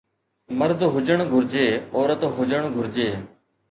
مرد هجڻ گهرجي عورت هجڻ گهرجي